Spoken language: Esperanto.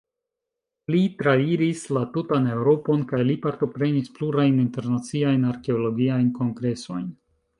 Li trairis la tutan Eŭropon kaj li partoprenis plurajn internaciajn arkeologiajn kongresojn.